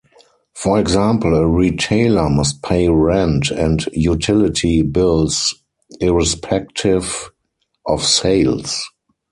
For example, a retailer must pay rent and utility bills irrespective of sales.